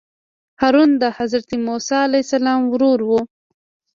هارون د حضرت موسی علیه السلام ورور وو.